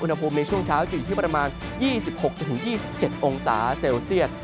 อุณหภูมิในช่วงเช้าจะอยู่ที่ประมาณ๒๖๒๗องศาเซลเซียต